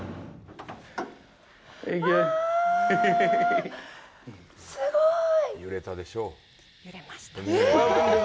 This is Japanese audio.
あ、すごい。